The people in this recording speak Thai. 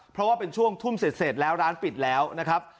เพราะว่าเป็นช่วงทุ่มเสร็จแล้วร้านปิดแล้วนะครับ